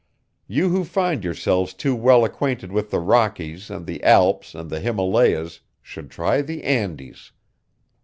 You who find yourselves too well acquainted with the Rockies and the Alps and the Himalayas should try the Andes.